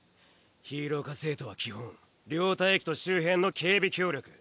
ヒーロー科生徒は基本寮待機と周辺の警備協力。